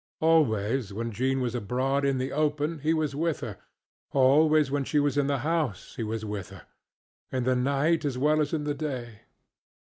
Always when Jean was abroad in the open he was with her; always when she was in the house he was with her, in the night as well as in the day.